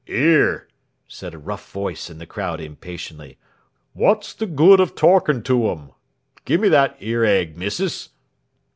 "'Ere," said a rough voice in the crowd impatiently, "wot's the good of torkin' to 'em? Gimme that 'ere egg, missus!"